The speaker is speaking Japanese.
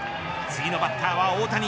次のバッターは大谷。